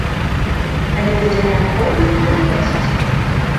Калі будзе неабходна, буду плаціць.